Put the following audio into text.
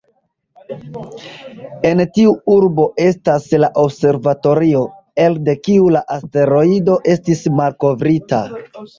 En tiu urbo estas la observatorio elde kiu la asteroido estis malkovrita.